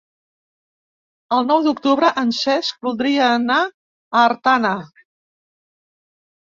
El nou d'octubre en Cesc voldria anar a Artana.